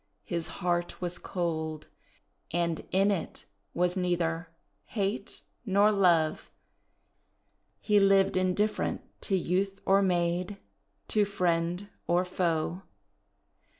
His heart was cold, and in it was neither hate nor love. He lived indifferent to youth or maid, to friend or foe.